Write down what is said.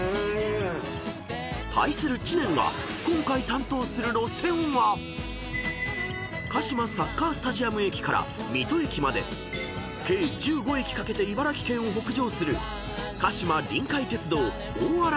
［対する知念が今回担当する路線は鹿島サッカースタジアム駅から水戸駅まで計１５駅かけて茨城県を北上する］